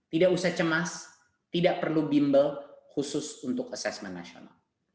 tidak usah cemas tidak perlu bimbel khusus untuk asesmen nasional